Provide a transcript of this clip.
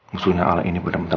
musuhnya al ini bener bener